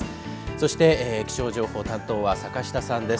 そして気象情報担当は坂下さんです。